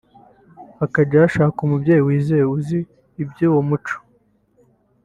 hakajya hashakwa umubyeyi wizewe uzi iby’uwo muco